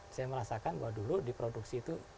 saya merasakan bahwa dulu di produksi itu